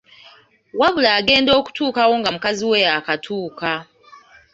Wabula agenda okutuukayo nga mukazi we yaakakutuuka.